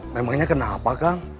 memangnya kenapa kang